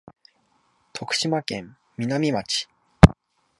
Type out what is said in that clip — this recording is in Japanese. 徳島県美波町